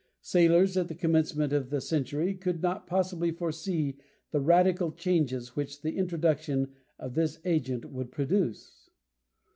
Sailors at the commencement of the century could not possibly foresee the radical changes which the introduction of this agent would produce.